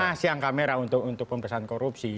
masih angka merah untuk pemberantasan korupsi